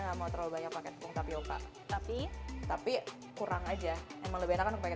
enggak mau terlalu banyak pakai tepung tapioka tapi tapi kurang aja emang lebih enakan pakai